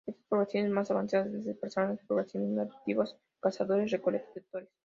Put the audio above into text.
Estas poblaciones más avanzadas desplazaron a los pobladores nativos cazadores-recolectores.